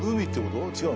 違う？